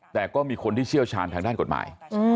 แต่ก็มีคนที่เชี่ยวชาญทางด้านกฎหมาย